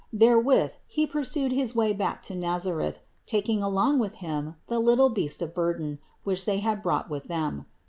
Therewith he pursued his way back to Nazareth, taking along with him the little beast of bur den, which they had brought with them.